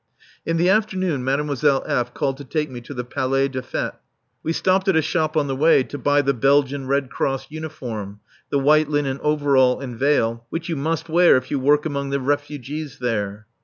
In the afternoon Mademoiselle F. called to take me to the Palais des Fêtes. We stopped at a shop on the way to buy the Belgian Red Cross uniform the white linen overall and veil which you must wear if you work among the refugees there.